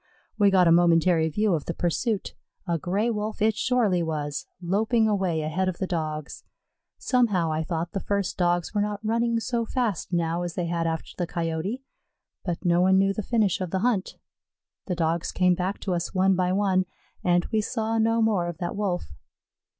We got a momentary view of the pursuit; a Gray wolf it surely was, loping away ahead of the Dogs. Somehow I thought the first Dogs were not running so fast now as they had after the Coyote. But no one knew the finish of the hunt. The Dogs came back to us one by one, and we saw no more of that Wolf.